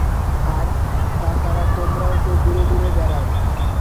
আর, তা ছাড়া তোমরাও তো দূরে দূরে বেড়াও।